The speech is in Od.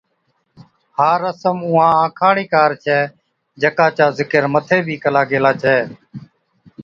(ھا رسم اُونھان آنکا ھاڙِي ڪار ڇَي جڪا چا ذڪر مٿي بِي ڪلا گيلا ڇَي)